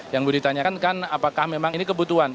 yang bu ditanyakan kan apakah memang ini kebutuhan